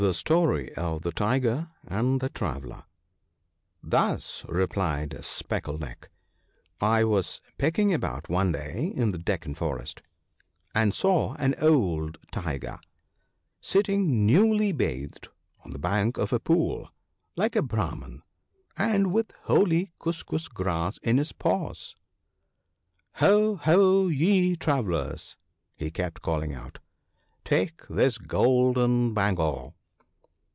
2$ (Cfi* <§totp of tfje fciQtt anb tfje flTtabeflet, HUS,' replied Speckle neck :* I was pecking about one day in the Deccan forest, and saw an old tiger ( 13 ) sitting newly bathed on the bank of a pool, like a Brahman, and with holy kuskus grass ( 14 ) in his paws. " Ho ! ho ! ye travellers," he kept calling out, " take this golden bangle